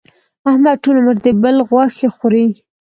احمد ټول عمر د بل غوښې خوري.